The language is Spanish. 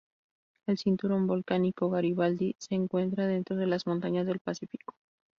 El Cinturón Volcánico Garibaldi se encuentra dentro de las Montañas del Pacífico.